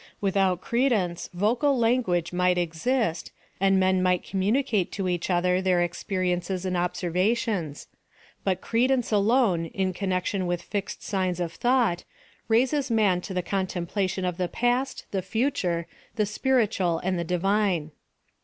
Without cre dence vocal language might exist, and men might communicate to each other their experiences and observations ; but credence alone, in connection 272 PHILOSOPHY OF THE with fixed signs of thought, raises man to the con templation of the past — the future — the spiritual and the Divine.